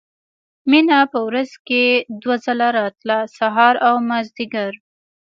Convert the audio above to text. مينه په ورځ کښې دوه ځله راتله سهار او مازديګر.